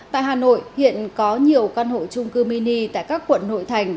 tại hà nội hiện có nhiều căn hộ trung cư mini tại các quận nội thành